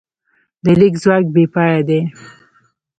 د لیک ځواک بېپایه دی.